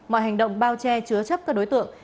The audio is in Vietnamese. mọi hành động bao che chứa chấp các đối tượng